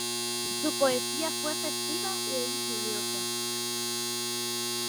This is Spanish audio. Su poesía fue festiva e ingeniosa.